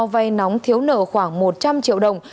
vay nóng thiếu nợ khoảng một trăm linh triệu đồng